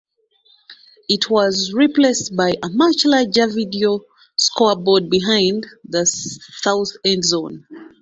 It was replaced by a much larger video scoreboard behind the south endzone.